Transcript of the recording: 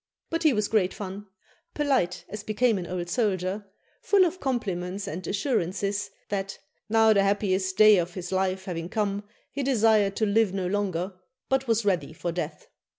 But he was great fun; polite as became an old soldier, full of compliments and assurances that 'now the happiest day of his life having come, he desired to live no longer, but was ready for death.'